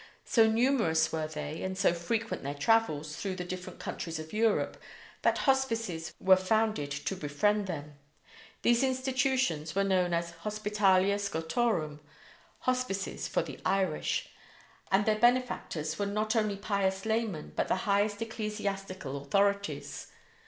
So numerous were they and so frequent their travels through the different countries of Europe that hospices were founded to befriend them. These institutions were known as "Hospitalia Scottorum" ("Hospices for the Irish"), and their benefactors were not only pious laymen but the highest ecclesiastical authorities.